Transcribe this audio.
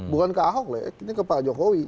bukan ke ahok lah ya ini ke pak jokowi